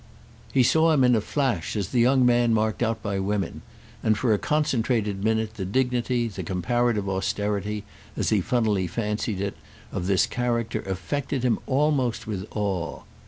He saw him in a flash as the young man marked out by women; and for a concentrated minute the dignity, the comparative austerity, as he funnily fancied it, of this character affected him almost with awe.